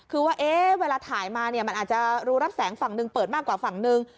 คือว่าเวลาถ่ายมาเนี่ยมันอาจจะรูรับแสงฝั่งหนึ่งเปิดมากกว่าฝั่งหนึ่ง